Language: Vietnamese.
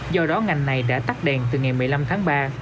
do đó ngành này đã tắt đèn từ ngày một mươi năm tháng ba